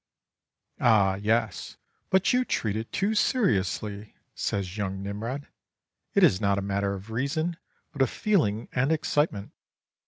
"Ah yes! but you treat it too seriously," says young Nimrod. "It is not a matter of reason, but of feeling and excitement.